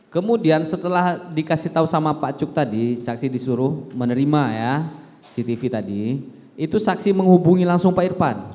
kemudian setelah dikasih tahu sama pak cuk tadi saksi disuruh menerima ya cctv tadi itu saksi menghubungi langsung pak irfan